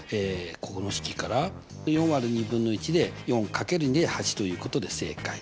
この式から４÷２分の１で４×２で８ということで正解。